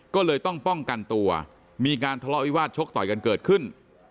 ก็เลยต้องป้องกันตัวมีการทะเลาะวิวาสชกต่อยกันเกิดขึ้น